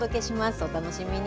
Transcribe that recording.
お楽しみに。